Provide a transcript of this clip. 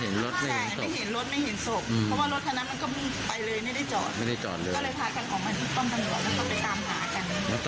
ก็เลยบอกว่าทำไมรถยางแตกแต่ทำไมเขาถึงไม่จอด